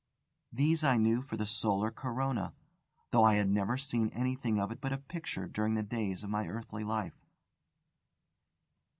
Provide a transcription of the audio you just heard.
These I knew for the solar corona, though I had never seen anything of it but a picture during the days of my earthly life.